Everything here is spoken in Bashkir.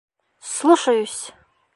Слушаюсь!